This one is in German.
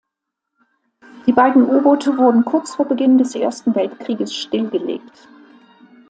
Die beiden U-Boote wurden kurz vor Beginn des Ersten Weltkrieges stillgelegt.